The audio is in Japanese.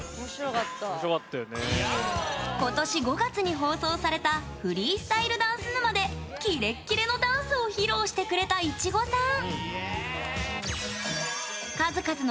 今年５月に放送された「フリースタイルダンス沼」でキレッキレのダンスを披露してくれた、いちごさん。